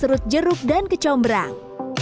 serut jeruk dan kecombrang